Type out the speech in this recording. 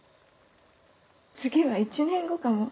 次は１年後かも。